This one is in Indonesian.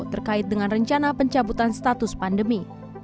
terkait dengan rencana pencabutan status pandemi